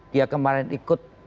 dia kemarin ikut